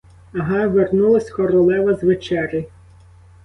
Ага, вернулась королева з вечері!